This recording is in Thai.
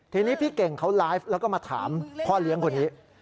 ทีนี้พี่เก่งเขาไลฟ์แล้วก็มาถามพ่อเลี้ยงคนนี้